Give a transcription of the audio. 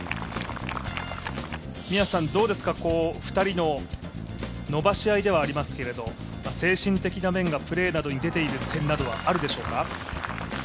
宮瀬さん、２人の伸ばし合いではありますけれども、精神的な面がプレーなどに出ている点などはあるでしょうか？